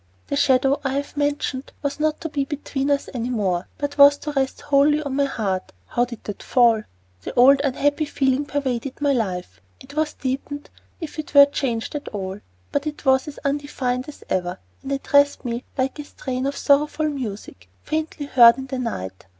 The shadow I have mentioned that was not to be between us any more, but was to rest wholly on my heart how did that fall? The old unhappy feeling pervaded my life. It was deepened, if it were changed at all; but it was as undefined as ever, and addressed me like a strain of sorrowful music faintly heard in the night.